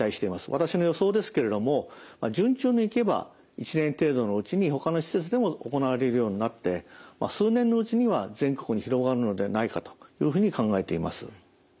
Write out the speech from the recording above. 私の予想ですけれども順調にいけば１年程度のうちにほかの施設でも行われるようになって数年のうちには全国に広がるのではないかというふうに考えています。